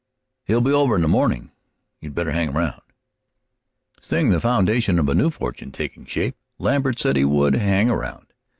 "He'll be over in the morning; you'd better hang around." Seeing the foundation of a new fortune taking shape, Lambert said he would "hang around."